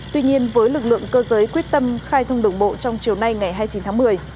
tuy nhiên với lực lượng cơ giới quyết tâm khai thông đồng bộ trong chiều nay ngày hai mươi chín tháng một mươi